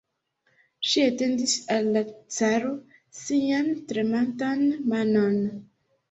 Ŝi etendis al la caro sian tremantan manon.